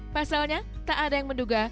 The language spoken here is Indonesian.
pasalnya tak ada yang menduga